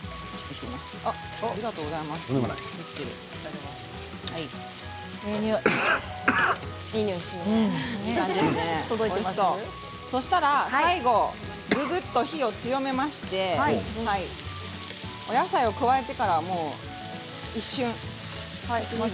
いいにおいそしたら最後ぐぐっと火を強めましてお野菜を加えてからもう一瞬です。